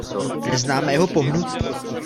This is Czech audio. Neznáme jeho pohnutky.